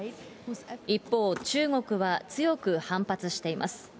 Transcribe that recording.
一方、中国は強く反発しています。